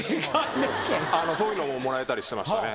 そういうのももらえたりしてましたね。